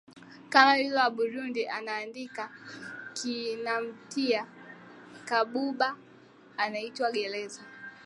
kama yule wa burundi anandika kinamtia kabuba anaitwa geleza